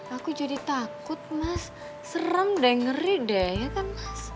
aku jadi takut mas serem deh ngeri deh ya kan mas